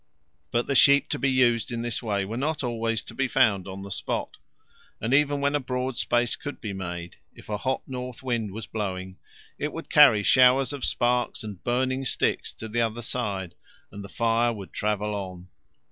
But sheep to be used in this way were not always to be found on the spot, and even when a broad space could be made, if a hot north wind was blowing it would carry showers of sparks and burning sticks to the other side and the fire would travel on.